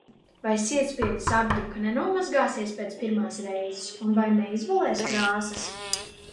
Vai sietspiedes apdruka nenomazgāsies pēc pirmās reizes un vai neizbalēs krāsas?